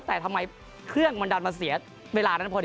แต่ทำไมเครื่องมันดันมาเสียเวลานัทพล